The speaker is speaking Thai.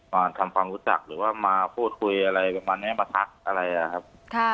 มาทำความรู้จักหรือว่ามาพูดคุยอะไรประมาณนี้มาทักอะไรนะครับ